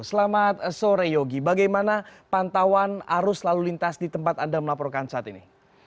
selamat sore yogi bagaimana pantauan arus lalu lintas di tempat anda melaporkan saat ini